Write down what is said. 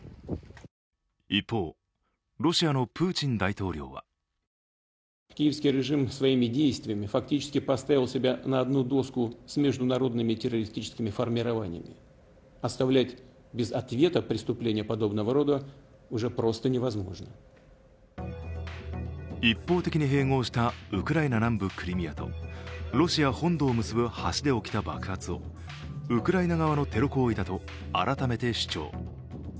一方、ロシアのプーチン大統領は一方的に併合したウクライナ南部クリミアとロシア本土を結ぶ橋で起きた爆発をウクライナ側のテロ行為だと改めて主張。